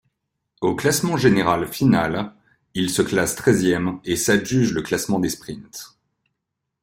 Au classement général final, il se classe treizième, et s'adjuge le classement des sprints.